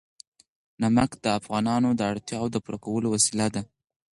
نمک د افغانانو د اړتیاوو د پوره کولو وسیله ده.